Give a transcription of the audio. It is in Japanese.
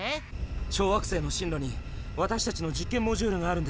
小惑星の進路に私たちの実験モジュールがあるんです。